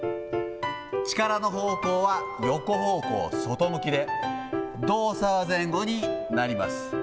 力の方向は横方向、外向きで、動作は前後になります。